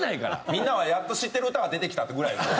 みんなはやっと知ってる歌が出てきたってぐらいですよ。